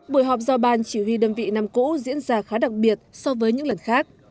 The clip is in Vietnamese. buổi họp do ban chỉ huy đơn vị năm cũ diễn ra khá đặc biệt so với những lần khác